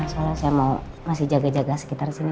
soalnya saya mau masih jaga jaga sekitar sini